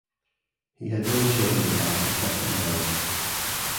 He had no children by his second marriage.